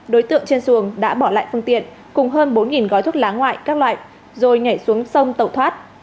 đối tượng trên xuồng đã bỏ lại phương tiện cùng hơn bốn gói thuốc lá ngoại các loại rồi nhảy xuống sông tẩu thoát